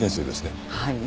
はい。